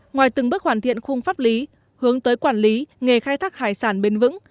ngoài từng bước hoàn thiện khung pháp lý hướng tới quản lý nghề khai thác hải sản bền vững